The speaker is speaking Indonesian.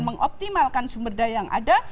mengoptimalkan sumber daya yang ada